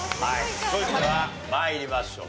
それでは参りましょう。